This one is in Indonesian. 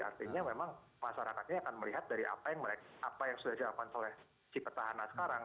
artinya memang masyarakatnya akan melihat dari apa yang sudah dilakukan oleh si petahana sekarang